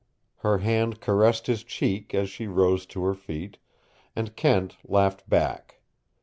Her hand caressed his cheek as she rose to her feet, and Kent laughed back.